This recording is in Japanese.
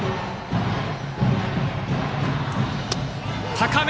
高め！